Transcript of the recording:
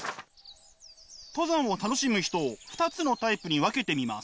登山を楽しむ人を２つのタイプに分けてみます。